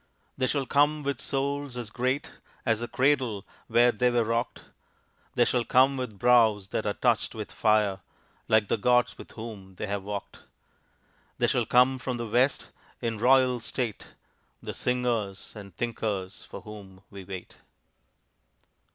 They shall come with souls as great As the cradle where they were rocked; They shall come with brows that are touched with fire, Like the Gods with whom they have walked; They shall come from the West in royal state, The Singers and Thinkers for whom we wait.